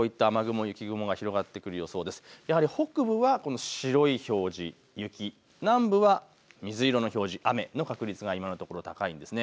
やはり北部はこの白い表示、雪、南部は水色の表示、雨の確率が今のところ高いんですね。